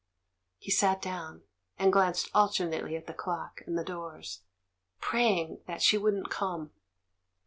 He sat down, and glanced alternately at the clock and the doors, praying that she wouldn't come.